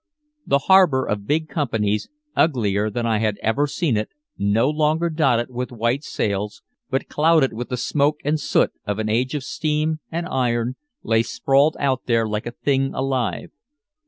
The harbor of big companies, uglier than I had ever seen it, no longer dotted with white sails, but clouded with the smoke and soot of an age of steam, and iron, lay sprawled out there like a thing alive.